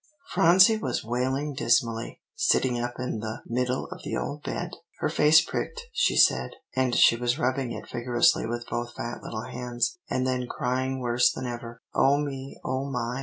Phronsie was wailing dismally, sitting up in the middle of the old bed. Her face pricked, she said; and she was rubbing it vigorously with both fat little hands, and then crying worse than ever. "O me O my!"